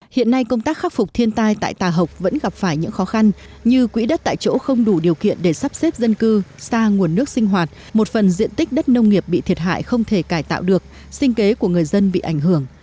hiện nay công tác khắc phục thiên tai tại tà hộc vẫn gặp phải những khó khăn như quỹ đất tại chỗ không đủ điều kiện để sắp xếp dân cư xa nguồn nước sinh hoạt một phần diện tích đất nông nghiệp bị thiệt hại không thể cải tạo được sinh kế của người dân bị ảnh hưởng